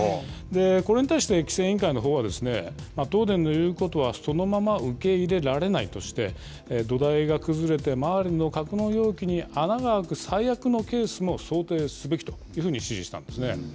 これに対して規制委員会のほうは、東電の言うことはそのまま受け入れられないとして、土台が崩れて、周りの格納容器に穴が開く最悪のケースも想定すべきというふうに指示したんですね。